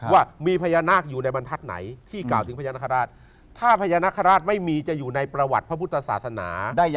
ว่ามีพญานาคอยู่ในบรรทัศน์ไหนที่กล่าวถึงพญานาคาราชถ้าพญานาคาราชไม่มีจะอยู่ในประวัติพระพุทธศาสนา